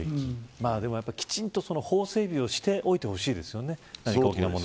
きちんと法整備をしておいてほしいですよね。